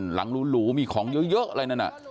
หลังหลูมีของเยอะอะไรนั้น